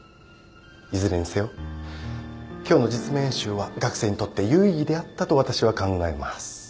いずれにせよ今日の実務演習は学生にとって有意義であったと私は考えます。